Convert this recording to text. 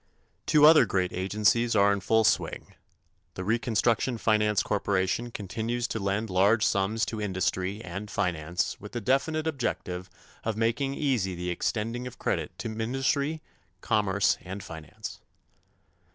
Two other great agencies are in full swing. The Reconstruction Finance Corporation continues to lend large sums to industry and finance with the definite objective of making easy the extending of credit to industry, commerce and finance.